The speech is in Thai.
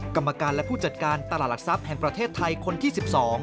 กรรมการและผู้จัดการตลาดหลักทรัพย์แห่งประเทศไทยคนที่๑๒